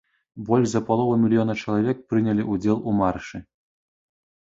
Больш за палову мільёна чалавек прынялі ўдзел у маршы.